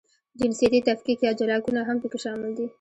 جنسیتي تفکیک یا جلاکونه هم پکې شامل دي.